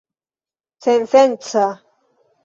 sensenca